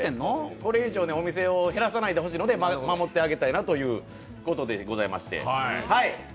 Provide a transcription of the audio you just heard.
これ以上お店を減らさないでほしいので守ってあげたいなということでございまして。